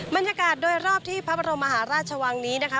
บรรยากาศโดยรอบที่พระบรมมหาราชวังนี้นะคะ